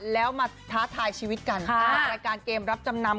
แล้วมาท้าทายชีวิตกันในรายการเกมรับจำนำ